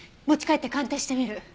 持ち帰って鑑定してみる。